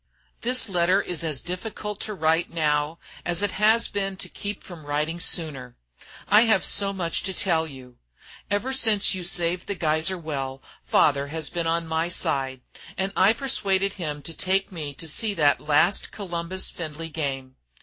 "This letter is as difficult to write now as it has been to keep from writing sooner. I have so much to tell you. Ever since you saved the Geyser well father has been on my side, and I persuaded him to take me to see that last Columbus Findlay game.